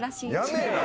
やめえな！